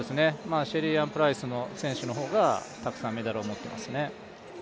シェリーアン・プライス選手の方がたくさんメダルを持ってますね。